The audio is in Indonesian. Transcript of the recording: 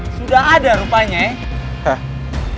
sudah ada rupanya ya